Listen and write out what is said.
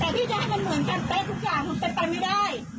แต่พี่จะให้มันเหมือนกันเป๊ะทุกอย่างมันเป็นไปไม่ได้